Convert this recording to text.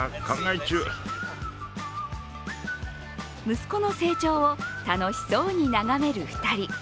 息子の成長を楽しそうに眺める２人。